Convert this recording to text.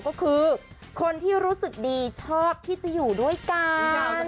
ก็คือคนที่รู้สึกดีชอบที่จะอยู่ด้วยกัน